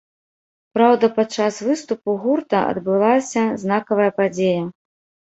Праўда, падчас выступу гурта адбылася знакавая падзея.